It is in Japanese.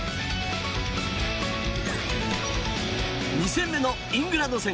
２戦目のイングランド戦。